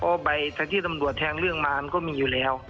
เพราะใบที่ตำรวจแทงเรื่องมามันก็มีอยู่แล้ว